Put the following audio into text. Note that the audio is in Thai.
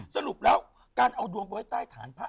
สรุปแล้วการเอาดวงไปไว้ใต้ฐานพระ